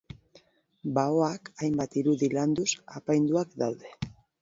Baoak hainbat irudi landuz apainduak daude.